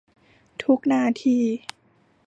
ทุกนาที